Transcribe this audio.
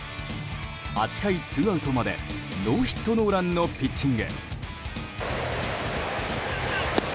８回ツーアウトまでノーヒットノーランのピッチング。